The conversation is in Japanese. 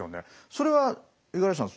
それは五十嵐さん